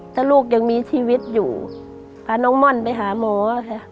ถ้าลูกยังมีชีวิตอยู่พาน้องม่อนไปหาหมอค่ะ